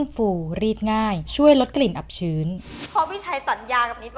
พี่ชัยจะบอกกับทุกคน